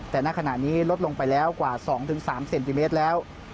แต่ณขณะนี้ลดลงไปแล้วกว่า๒๓เซนติเมตรแล้ว